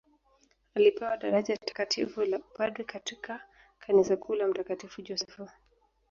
Alipewa daraja Takatifu la upadre katika kanisa kuu la mtakatifu Josefu